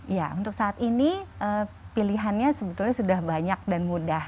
ya untuk saat ini pilihannya sebetulnya sudah banyak dan mudah